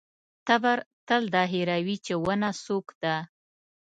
تبر تل دا هېروي چې ونه څوک ده.